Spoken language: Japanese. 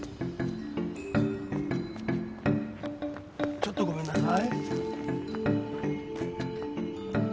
ちょっとごめんなさい。